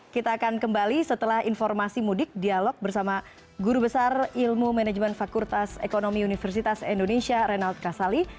kita akan kembali setelah informasi mudik dialog bersama guru besar ilmu manajemen fakultas ekonomi universitas indonesia renald kasali